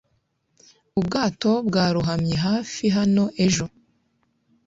ubwato bwarohamye hafi hano ejo